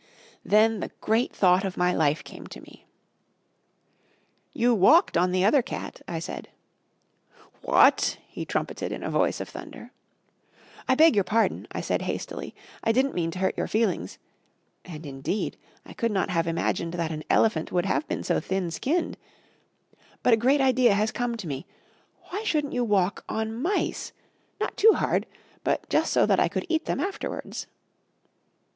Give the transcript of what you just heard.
Then the great thought of my life came to me. "You walked on the other cat," I said. "What?" he trumpeted in a voice of thunder. "I beg your pardon," I said hastily; "I didn't mean to hurt your feelings" and, indeed, I could not have imagined that an elephant would have been so thin skinned "but a great idea has come to me. Why shouldn't you walk on mice not too hard, but just so that I could eat them afterwards?"